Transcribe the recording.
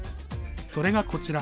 それが、こちら。